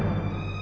wah buat apa ayolo